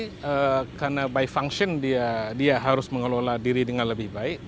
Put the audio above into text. tapi karena by function dia harus mengelola diri dengan lebih baik